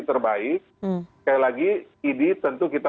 terbaik sekali lagi idi tentu kita